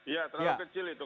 iya terlalu kecil itu